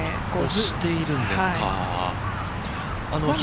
押しているんですか？